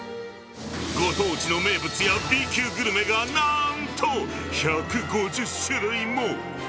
ご当地の名物やＢ級グルメがなんと、１５０種類も。